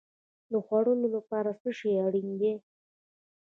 د خوړو لپاره څه شی اړین دی؟